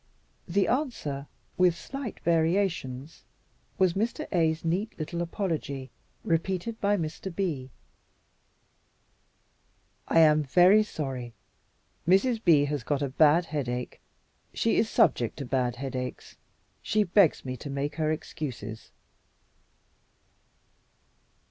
The answer with slight variations was Mr. A's neat little apology, repeated by Mr. B. "I am very sorry. Mrs. B has got a bad headache. She is subject to bad headaches. She begs me to make her excuses."